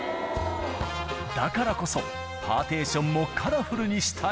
だからこそ、パーテーションもカラフルにしたい。